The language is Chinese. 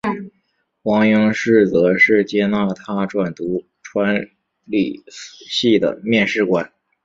黄应士则是接纳他转读传理系的面试官。